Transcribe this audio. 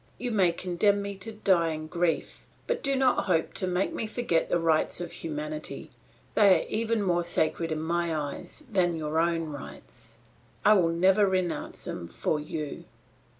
You may condemn me to die of grief; but do not hope to make me forget the rights of humanity; they are even more sacred in my eyes than your own rights; I will never renounce them for you."